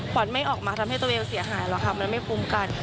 ขวัญไม่ออกมาทำให้ตัวเองเสียหายหรอกค่ะมันไม่คุ้มกัน